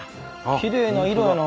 きれいな色やな。